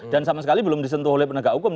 dan sama sekali belum disentuh oleh penegak hukum